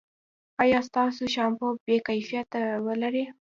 ایا ستاسو شامپو به کیفیت ولري؟